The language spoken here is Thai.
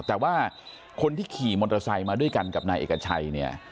แต่ว่าคนที่ขี่มอเตอร์ไซค์มาด้วยกันกับนายเอกชัยเนี่ย